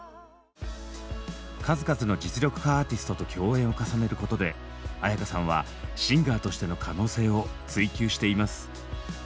数々の実力派アーティストと共演を重ねることで絢香さんはシンガーとしての可能性を追求しています。